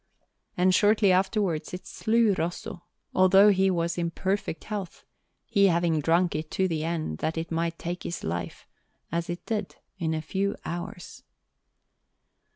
And shortly afterwards it slew Rosso, although he was in perfect health, he having drunk it to the end that it might take his life, as it did in a few hours.